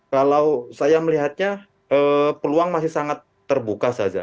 kalau saya melihatnya peluang masih sangat terbuka saja